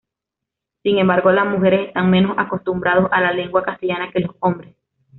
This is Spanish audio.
Sin embargo, las mujeres están menos acostumbrados a la lengua castellana que los hombres.